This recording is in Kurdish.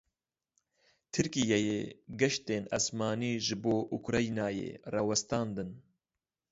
Tirkiyeyê geştên esmanî ji bo Ukraynayê rawestandin.